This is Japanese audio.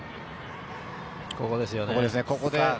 ここですよね。